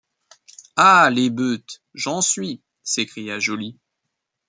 Ah! l’ébeute, j’en suis, s’écria Joly.